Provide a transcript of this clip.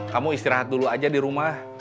kamu istirahat dulu aja di rumah